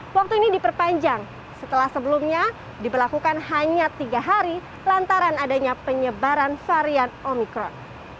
waktu ini diperpanjang setelah sebelumnya diberlakukan hanya tiga hari lantaran adanya penyebaran varian omikron